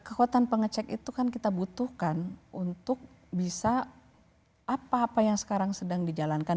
kekuatan pengecek itu kan kita butuhkan untuk bisa apa apa yang sekarang sedang dijalankan